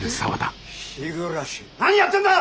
日暮何やってんだ！